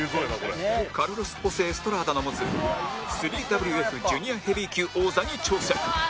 カルロス・ホセ・エストラーダの持つ ＷＷＷＦ ジュニアヘビー級王座に挑戦